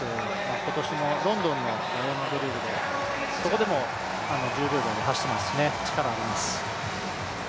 今年もロンドンのダイヤモンドリーグでそこでも１０秒台で走っているので力はあります。